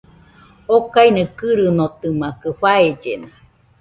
Okaina kɨrɨnotɨmakɨ, faellena